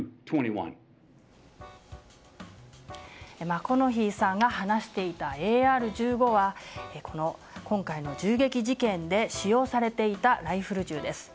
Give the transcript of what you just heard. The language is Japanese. マコノヒーさんが話していたＡＲ１５は今回の銃撃事件で使用されていたライフル銃です。